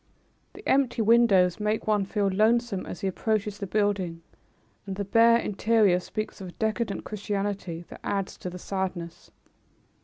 The empty windows make one feel lonesome as he approaches the building, and the bare interior speaks of a decadent Christianity that adds to the sadness.